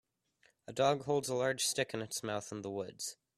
A dog holds a large stick in its mouth in the woods.